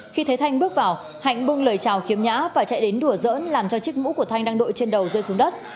khi thấy thanh bước vào hạnh bung lời chào kiếm nhã và chạy đến đùa dỡn làm cho chiếc mũ của thanh đang đội trên đầu rơi xuống đất